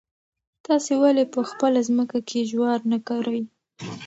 تاسو ولې په خپله ځمکه کې جوار نه کرئ؟